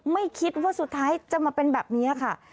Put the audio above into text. ไม่คิดว่าสุดท้ายจะมาเป็นแบบนี้ค่ะ